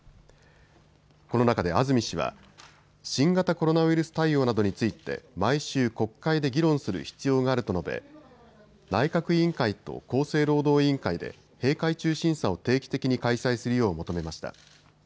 この中で安住氏は、新型コロナウイルス対応などについて毎週、国会で議論する必要があると述べ内閣委員会と厚生労働委員会で閉会中審査を定期的に開催するよう求めました。